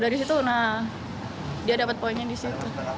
dari situ nah dia dapat poinnya di situ